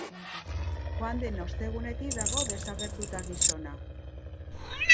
Joan den ostegunetik dago desagertuta gizona.